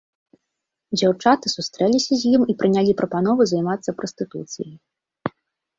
Дзяўчаты сустрэліся з ім і прынялі прапанову займацца прастытуцыяй.